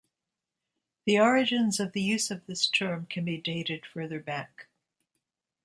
The origins of the use of this term can be dated further back.